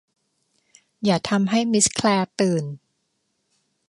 อย่าทำให้มิสแคลร์ตื่น